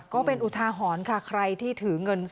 ก็เป็นอุทาหรณ์ค่ะใครที่ถือเงิน